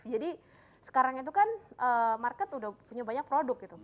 jadi sekarang itu kan market udah punya banyak produk gitu